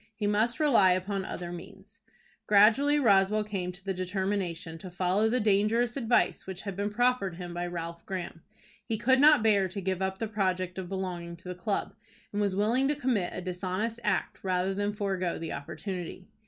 He must rely upon other means. Gradually Roswell came to the determination to follow the dangerous advice which had been proffered him by Ralph Graham. He could not bear to give up the project of belonging to the club, and was willing to commit a dishonest act rather than forego the opportunity.